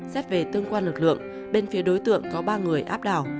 xét về tương quan lực lượng bên phía đối tượng có ba người áp đảo